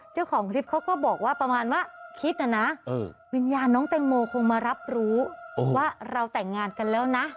เจ้าของคลิปเขาก็บอกว่าประมาณว่าคิดนะนะวิญญาณน้องแตงโมคงมารับรู้ว่าเราแต่งงานกันแล้วนะ